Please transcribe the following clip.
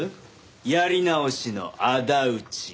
やり直しの仇討ち。